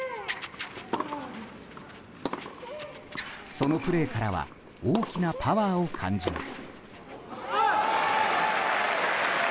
そのプレーからは大きなパワーを感じます。